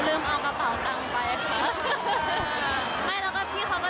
แต่ว่าเหมือนแบบอันนี้ก็ชัด